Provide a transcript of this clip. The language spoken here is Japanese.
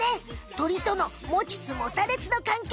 鳥とのもちつもたれつの関係。